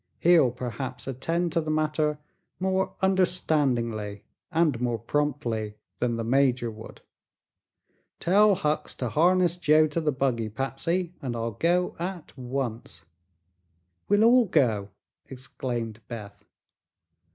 He'll perhaps attend to the matter more understandingly and more promptly than the major would. Tell Hucks to harness Joe to the buggy, Patsy, and I'll go at once." "We'll all go!" exclaimed Beth.